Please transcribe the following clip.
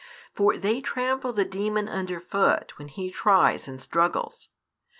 For they trample the demon under foot when he tries and struggles.